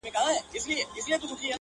گراني بس څو ورځي لاصبر وكړه-